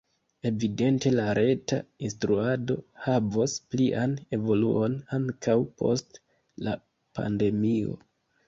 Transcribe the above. Evidente la reta instruado havos plian evoluon ankaŭ post la pandemio.